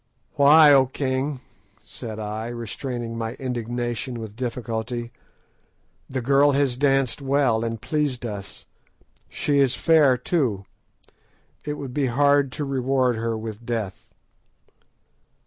"Why, O king?" said I, restraining my indignation with difficulty; "the girl has danced well, and pleased us; she is fair too; it would be hard to reward her with death."